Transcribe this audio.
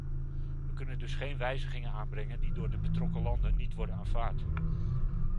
We kunnen dus geen wijzigingen aanbrengen die door de betrokken landen niet worden aanvaard.